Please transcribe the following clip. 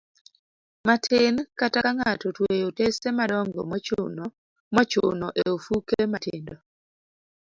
matin kata ka ng'ato otweyo otese madongo mochuno e ofuke matindo